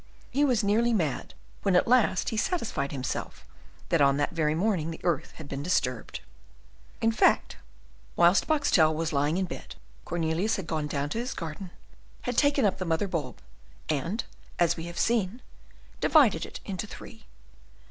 He was nearly mad, when at last he satisfied himself that on that very morning the earth had been disturbed. In fact, whilst Boxtel was lying in bed, Cornelius had gone down to his garden, had taken up the mother bulb, and, as we have seen, divided it into three.